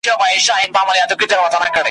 د آمو مستو څپوکي `